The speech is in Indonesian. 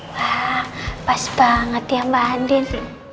wah pas banget ya mbak andin